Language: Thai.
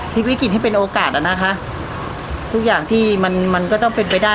พลิกวิกฤตให้เป็นโอกาสอะนะคะทุกอย่างที่มันมันก็ต้องเป็นไปได้